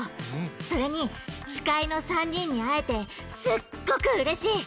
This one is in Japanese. それに、司会の３人に会えて、すっごくうれしい！